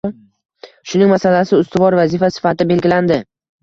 Shuning masalasi ustuvor vazifa sifatida belgilandi.